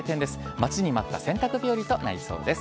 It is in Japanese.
待ちに待った洗濯日和となりそうです。